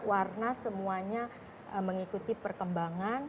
warna semuanya mengikuti perkembangan